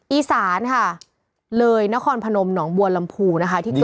อีสานค่ะเลยนครพนมหนองบัวลำพูนะคะที่เจอ